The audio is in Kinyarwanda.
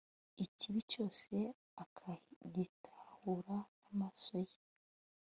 ikibi cyose akagitahura n'amaso ye